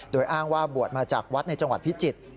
โดยอ้างว่าบวชมาจากวัดในจังหวัดพิจิตร